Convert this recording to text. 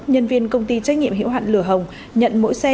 nhân viên công ty trách nhiệm hiệu hạn lửa hồng nhận mỗi xe